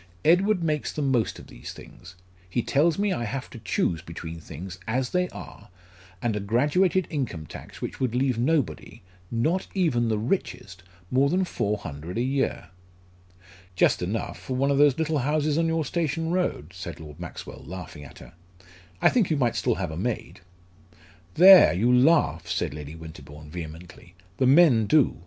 Edward makes the most of these things. He tells me I have to choose between things as they are, and a graduated income tax which would leave nobody not even the richest more than four hundred a year." "Just enough, for one of those little houses on your station road," said Lord Maxwell, laughing at her. "I think you might still have a maid." "There, you laugh," said Lady Winterbourne, vehemently: "the men do.